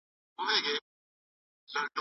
مذهبي لږکي د نړیوالو بشري حقونو ملاتړ نه لري.